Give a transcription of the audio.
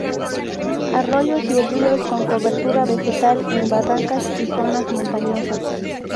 Arroyos y ríos con cobertura vegetal en barrancas y zonas montañosas.